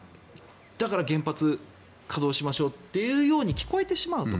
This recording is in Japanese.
だから原発稼働しましょうというように聞こえてしまうと。